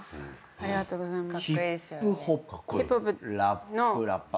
ありがとうございます。